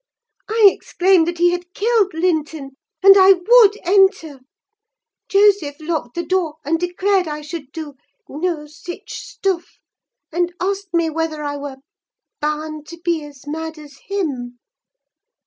I exclaimed that he had killed Linton, and I would enter. Joseph locked the door, and declared I should do 'no sich stuff,' and asked me whether I were 'bahn to be as mad as him.